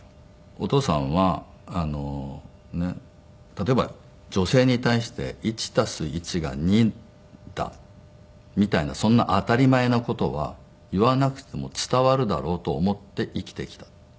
お父さんは例えば女性に対して１足す１が２だみたいなそんな当たり前な事は言わなくても伝わるだろうと思って生きてきた。